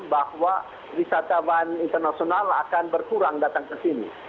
bahwa wisatawan internasional akan berkurang datang ke sini